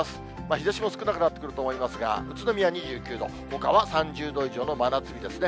日ざしも少なくなってくると思いますが、宇都宮２９度、ほかは３０度以上の真夏日ですね。